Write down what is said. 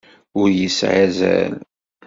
Ur yesεi azal.